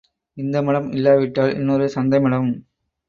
இந்த மடம் இல்லாவிட்டால் இன்னொரு சந்தை மடம்.